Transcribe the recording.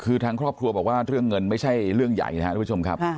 คือทางครอบครัวบอกว่าเรื่องเงินไม่ใช่เรื่องใหญ่นะครับทุกผู้ชมครับ